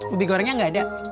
ubi gorengnya gak ada